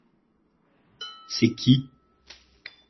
C’est qui ?